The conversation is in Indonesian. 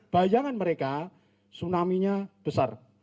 bayangan mereka tsunami nya besar